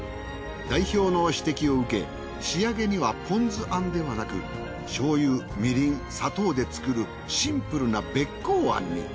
代表の指摘を受け仕上げにはポン酢餡ではなく醤油みりん砂糖で作るシンプルなべっこう餡に。